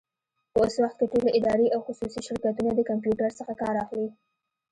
په اوس وخت کي ټولي ادارې او خصوصي شرکتونه د کمپيوټر څخه کار اخلي.